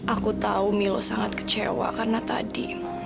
aku tahu milo sangat kecewa karena tadi